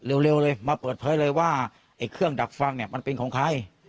เร็วเลยมาเปิดเผยเลยว่าไอ้เครื่องดักฟังเนี่ยมันเป็นของใคร